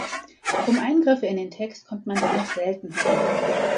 Um Eingriffe in den Text kommt man dennoch selten herum.